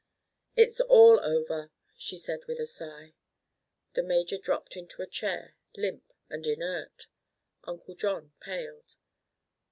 "It's all over," she said with a sigh. The major dropped into a chair, limp and inert. Uncle John paled.